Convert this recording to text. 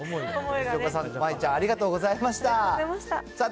藤岡さん、舞衣ちゃん、ありがとうございました。